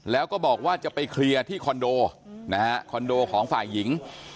แล้วก็บอกว่าจะไปเคลียร์ที่คอนโดนะฮะคอนโดของฝ่ายหญิง